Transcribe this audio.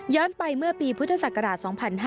ย้อนไปเมื่อปีพุทธศักราช๒๕๓๐